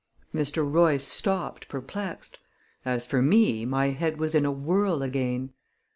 Mr. Royce stopped, perplexed; as for me, my head was in a whirl again.